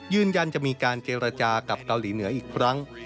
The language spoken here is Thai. ยืนยันจะมีการเจรจากับเกาหลีเหนืออีกครั้ง